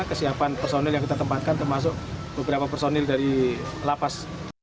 kesiapan personil yang kita tempatkan termasuk beberapa personil dari lapas